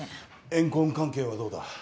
怨恨関係はどうだ？